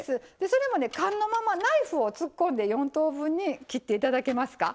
それもね缶のままナイフを突っ込んで４等分に切っていただけますか？